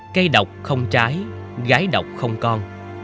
cây độc không trái gái độc không con